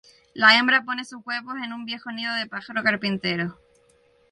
La hembra pone sus huevos en un viejo nido de pájaro carpintero.